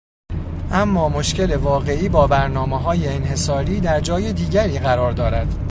اما مشکل واقعی با برنامههای انحصاری در جای دیگری قرار دارد